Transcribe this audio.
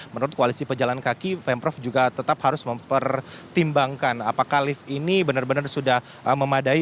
menurut koalisi pejalan kaki pemprov juga tetap harus mempertimbangkan apakah lift ini benar benar sudah memadai